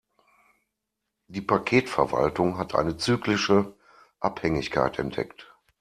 Die Paketverwaltung hat eine zyklische Abhängigkeit entdeckt.